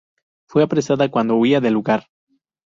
Fue apresada cuando huía del lugar.